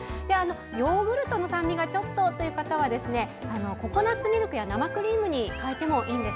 ヨーグルトの酸味がちょっとという方はココナツミルクや生クリームに変えてもいいんです。